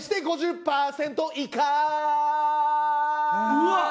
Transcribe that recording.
うわっ！